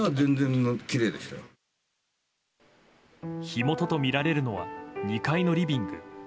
火元とみられるのは２階のリビング。